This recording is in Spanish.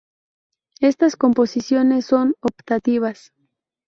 Estas composiciones son optativas.